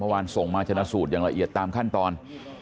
ส่งมาชนะสูตรอย่างละเอียดตามขั้นตอน